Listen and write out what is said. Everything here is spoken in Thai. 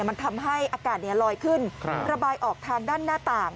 มันทำให้อากาศลอยขึ้นระบายออกทางด้านหน้าต่าง